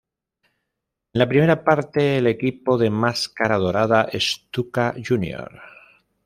En la primera parte, el equipo de Máscara Dorada, Stuka Jr.